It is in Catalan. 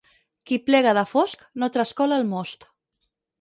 Qui plega de fosc no trascola el most.